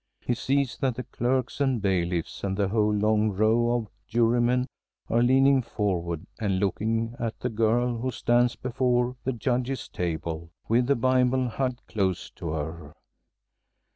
He sees that the clerks and bailiffs and the whole long row of jurymen are leaning forward and looking at the girl who stands before the Judges' table with the Bible hugged close to her.